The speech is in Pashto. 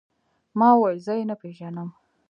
ما وويل زه يې نه پېژنم.